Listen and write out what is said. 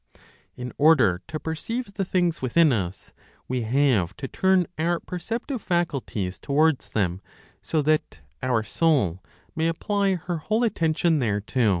In order to perceive the things within us, we have to turn our perceptive faculties towards them, so that (our soul) may apply her whole attention thereto.